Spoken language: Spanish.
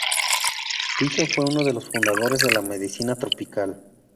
Piso fue uno de los fundadores de la Medicina tropical.